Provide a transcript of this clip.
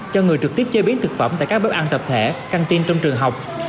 cho người trực tiếp chế biến thực phẩm tại các bếp ăn tập thể canteen trong trường học